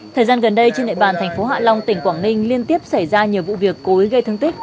thời gian gần đây trên đại bàn thành phố hạ long tỉnh quảng ninh liên tiếp xảy ra nhiều vụ việc cối gây thương tích